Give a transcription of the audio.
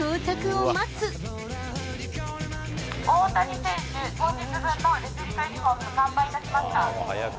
大谷選手、本日分のレプリカユニホーム完売いたしました。